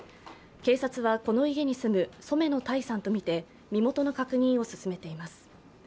警察はこの家に住む染野耐さんとみて身元の確認を進めています。